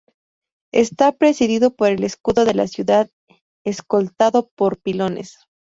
Está presidido por el escudo de la ciudad, escoltado por pilones.